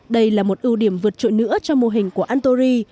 đây là một ưu điểm vượt trội nữa cho mô hình của antory